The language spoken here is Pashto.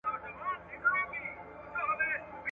د دولت عایدات د سوداګرۍ له لارې ډېرېدل.